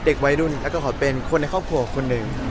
เด็กวัยรุ่นแล้วก็ขอเป็นคนในครอบครัวคนหนึ่ง